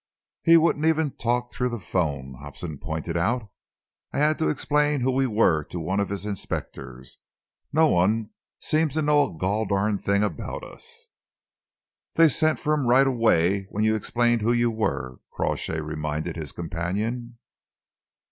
"He wouldn't even talk through the 'phone," Hobson pointed out. "I had to explain who we were to one of his inspectors. No one seemed to know a goldarned thing about us." "They sent for him right away when you explained who you were," Crawshay reminded his companion.